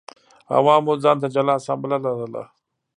عوامو ځان ته جلا اسامبله لرله.